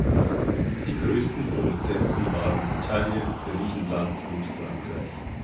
Die größten Produzenten waren Italien, Griechenland und Frankreich.